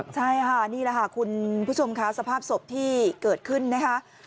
ใช่ค่ะนี่แหละค่ะคุณผู้ชมค่ะสภาพศพที่เกิดขึ้นนะคะ